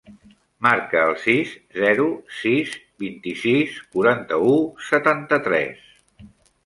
Marca el sis, zero, sis, vint-i-sis, quaranta-u, setanta-tres.